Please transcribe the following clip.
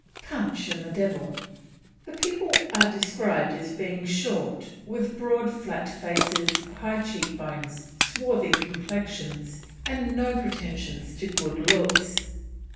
PUNCH AND THE DEVIL. The people are described as being short, with broad flat faces, high cheek bones, swarthy complexions, and no pretensions to good looks.